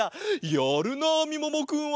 やるなみももくんは。